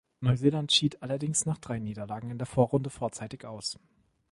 Neuseeland schied allerdings nach drei Niederlagen in der Vorrunde vorzeitig aus.